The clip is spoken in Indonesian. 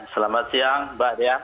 selamat siang mbak dea